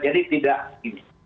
jadi tidak ini